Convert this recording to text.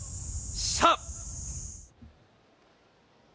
しゃあ！